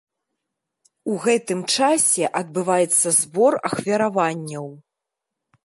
У гэтым часе адбываецца збор ахвяраванняў.